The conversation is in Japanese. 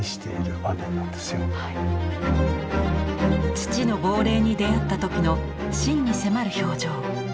父の亡霊に出会った時の真に迫る表情。